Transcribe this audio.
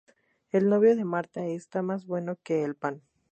El novio de Marta está más bueno que el pan